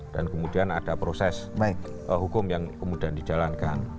dan kemudian ada proses hukum yang kemudian dijalankan